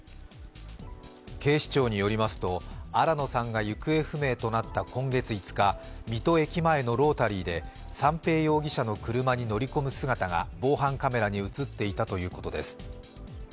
警視庁によりますと新野さんが行方不明となった今月５日、水戸駅前のロータリーで三瓶容疑者の車に乗り込む姿が防犯カメラに映っていたということです。